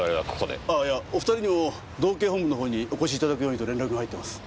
あいやお２人にも道警本部の方にお越し頂くようにと連絡が入ってます。